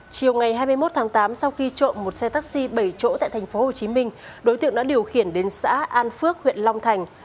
chiều ngày hai mươi một tháng tám sau khi trộm một xe taxi bảy chỗ tại tp hcm đối tượng đã điều khiển đến xã an phước huyện long thành